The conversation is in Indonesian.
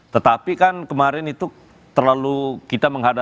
tetapi kan kemarin itu terlalu kita menghadapi